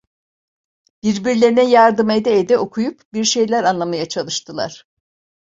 Birbirlerine yardım ede ede okuyup bir şeyler anlamaya çalıştılar.